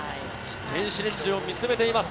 電子レンジを見つめています